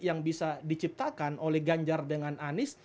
yang bisa diciptakan oleh ganjar dengan anies